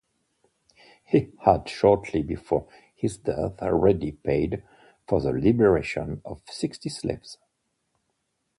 He had shortly before his death already paid for the liberation of sixty slaves.